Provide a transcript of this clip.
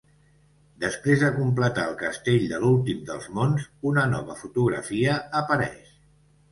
Després de completar el castell de l'últim dels mons, una nova fotografia apareix.